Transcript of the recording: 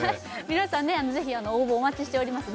皆さんぜひ応募お待ちしております